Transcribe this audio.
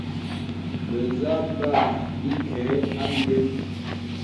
Bə̀zə̄ bə̀ ǐ kə̀ abyēm.